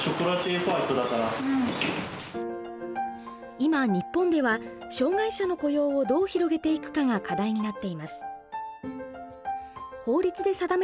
今日本では障害者の雇用をどう広げていくかが課題になっています。